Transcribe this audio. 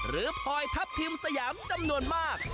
พลอยทัพทิมสยามจำนวนมาก